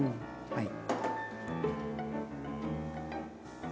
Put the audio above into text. はい。